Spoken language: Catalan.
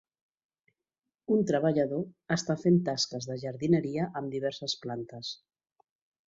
Un treballador està fent tasques de jardineria amb diverses plantes.